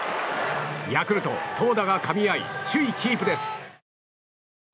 ヤクルト、投打がかみ合い首位キープです。